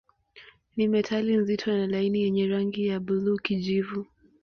Ni metali nzito na laini yenye rangi ya buluu-kijivu.